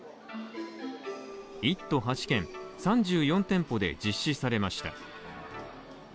１都８県、３４店舗で実施されました。